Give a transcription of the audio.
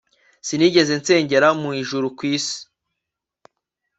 Sinigeze nsengera mu Ijuru Ku isi